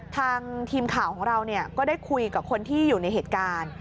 ทางทีมข่าวของเราก็ได้คุยกับคนที่อยู่ในเหตุการณ์